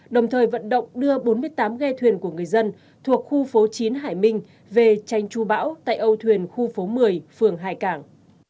đồng thời vận động đưa bốn mươi tám ghe thuyền của người dân thuộc khu phố chín hải minh về tranh chu bão tại âu thuyền khu phố một mươi phường hải cảng